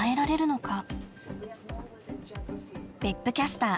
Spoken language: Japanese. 別府キャスター